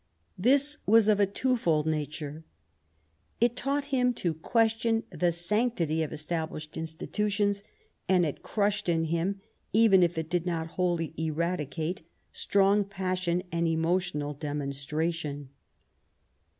This was of a twofold nature. It taught him to question the sanctity of established institutions, and it crushed in him, even if it did not wholly eradicate, strong passion and emotional demon stration.